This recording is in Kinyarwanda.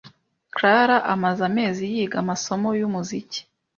Clara amaze amezi yiga amasomo yumuziki